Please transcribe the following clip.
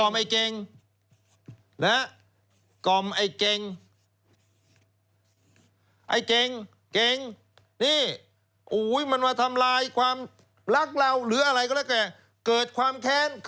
เป็นการจ้างวาน